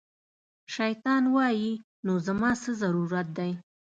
شیطان وایي، نو زما څه ضرورت دی